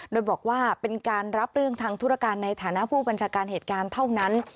โดยบอกว่าเป็นการรับเรื่องทางธุรการในฐานะผู้บัญชาการเหตุการณ์เท่านั้น